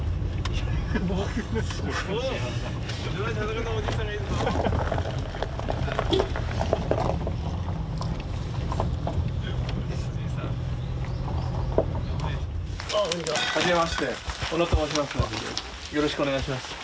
よろしくお願いします。